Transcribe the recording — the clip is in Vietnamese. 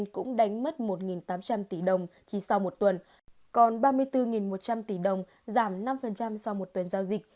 cũng đánh mất một tám trăm linh tỷ đồng chỉ sau một tuần còn ba mươi bốn một trăm linh tỷ đồng giảm năm sau một tuần giao dịch